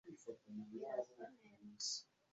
kandi mwebwe ubwanyu n’umwuka wanyu